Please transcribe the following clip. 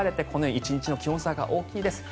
このように１日の気温差が大きいです。